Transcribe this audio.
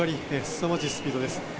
すさまじいスピードです。